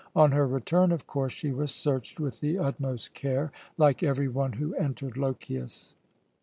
On her return, of course, she was searched with the utmost care, like every one who entered Lochias.